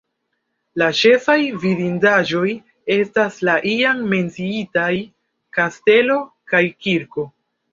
La ĉefaj vidindaĵoj estas la jam menciitaj kastelo kaj kirko.